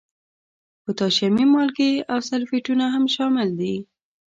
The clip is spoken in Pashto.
پوتاشیمي مالګې او سلفیټونه هم شامل دي.